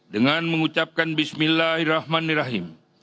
dengan mengucapkan bismillahirrahmanirrahim